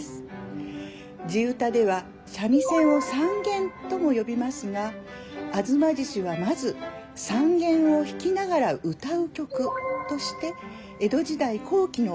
地唄では三味線を三絃とも呼びますが「吾妻獅子」はまず三絃を弾きながら歌う曲として江戸時代後期の大阪で作曲されました。